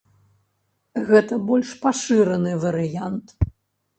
Гэта больш пашыраны варыянт.